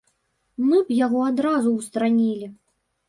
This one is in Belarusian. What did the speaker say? Мы б яго адразу ўстаранілі.